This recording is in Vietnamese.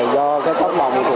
do cái tóc lòng của